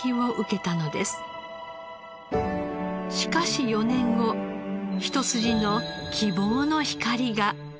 しかし４年後一筋の希望の光が。